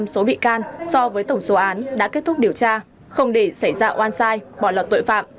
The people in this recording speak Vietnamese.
năm mươi số bị can so với tổng số án đã kết thúc điều tra không để xảy ra oan sai bỏ lọt tội phạm